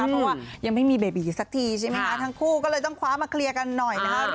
เพราะว่ายังไม่มีเบบีอยู่สักทีใช่ไหมคะทั้งคู่ก็เลยต้องคว้ามาเคลียร์กันหน่อยนะครับ